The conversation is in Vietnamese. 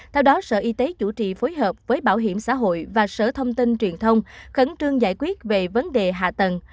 theo đó sở y tế chủ trì phối hợp với bảo hiểm xã hội và sở thông tin truyền thông khẩn trương giải quyết về vấn đề hạ tầng